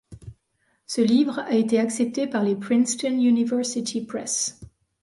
Ce livre a été accepté par les Princeton University Press.